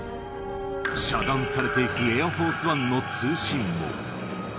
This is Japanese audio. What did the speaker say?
遮断されていくエアフォースワンの通信網。